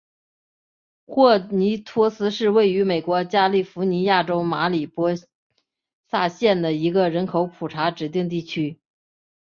霍尼托斯是位于美国加利福尼亚州马里波萨县的一个人口普查指定地区。